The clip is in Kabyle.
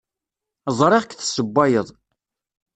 Ẓriɣ-k tessewwayeḍ.